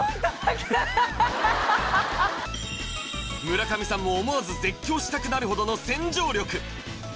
村上さんも思わず絶叫したくなるほどの洗浄力